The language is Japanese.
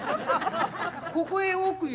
ここへ置くよ？